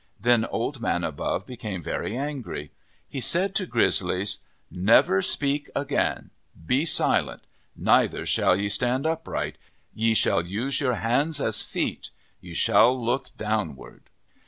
Then Old Man Above became very angry. He said to Grizzlies : 36 OF THE PACIFIC NORTHWEST " Never speak again. Be silent. Neither shall ye stand upright. Ye shall use your hands as feet. Ye shall look downward."